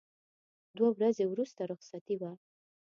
دوه ورځې وروسته رخصتي وه.